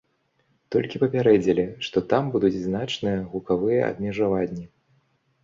Толькі папярэдзілі, што там будуць значныя гукавыя абмежаванні.